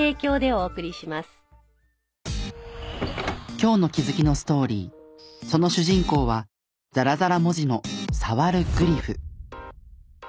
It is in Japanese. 今日の気づきのストーリーその主人公はざらざら文字の。